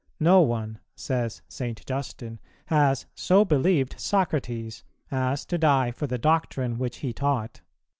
"No one," says St. Justin, "has so believed Socrates as to die for the doctrine which he taught."